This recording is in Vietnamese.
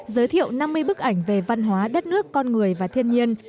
giới thiệu năm mươi bức ảnh về văn hóa đất nước con người và thiên nhiên